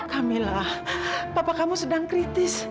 kamilah papa kamu sedang kritis